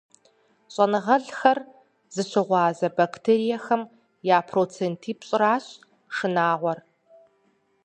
Щӏэныгъэлӏхэр зыщыгъуазэ бактериехэм я процентипщӏыращ шынагъуэр.